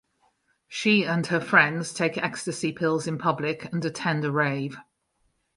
She and her friends take ecstasy pills in public and attend a rave.